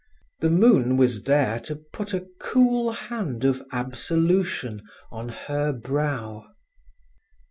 The moon was there to put a cool hand of absolution on her brow.